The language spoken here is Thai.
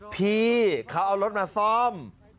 พี่เขาเอารถมาซ่อม